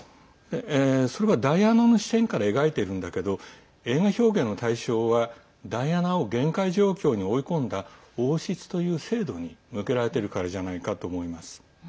それはダイアナの視点から描いてるんだけど映画表現の対象はダイアナを限界状況に追い込んだ王室という制度に向けられているからじゃないかと思います。